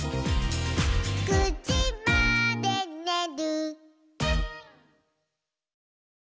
「９じまでにねる」